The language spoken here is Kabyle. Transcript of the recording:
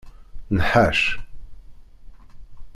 Nḥac.